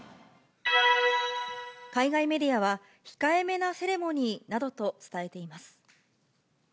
海外メディアは、控えめなセレモニーなどと伝えています。